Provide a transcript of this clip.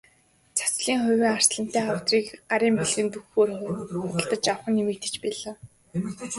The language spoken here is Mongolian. Цацлын хувин, арслантай авдрыг гарын бэлгэнд өгөхөөр худалдаж авах нь нэмэгдэж байгаа.